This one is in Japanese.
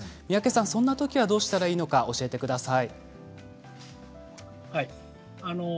そのときはどうしたらいいのか教えてください。